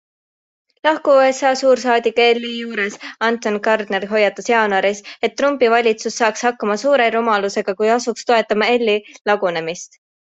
Lahkuv USA suursaadik EL-i juures Anthony Gardner hoiatas jaanuaris, et Trumpi valitsus saaks hakkama suure rumalusega, kui asuks toetama EL-i lagunemist.